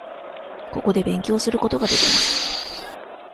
ここで勉強することができます。